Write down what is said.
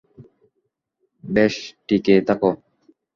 বেশ, টিকে থাক!